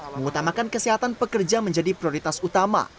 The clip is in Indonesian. mengutamakan kesehatan pekerja menjadi prioritas utama